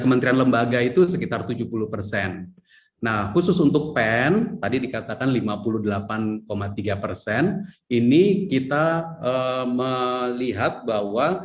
negara itu sekitar lima puluh delapan tiga persen nah khusus untuk pn tadi dikatakan lima puluh delapan tiga persen ini kita melihat bahwa